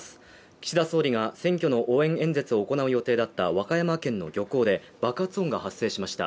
岸田総理が選挙の応援演説を行う予定だった和歌山県の漁港で爆発音が発生しました。